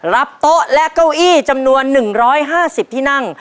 รับโต๊ะและเก้าอี้จำนวน๑๕๐ที่นั่ง